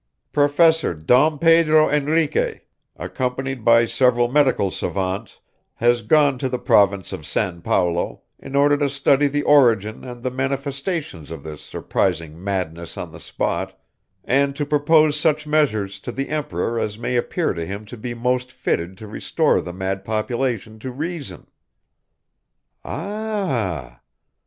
"Professor Dom Pedro Henriques, accompanied by several medical savants, has gone to the Province of San Paulo, in order to study the origin and the manifestations of this surprising madness on the spot, and to propose such measures to the Emperor as may appear to him to be most fitted to restore the mad population to reason." Ah!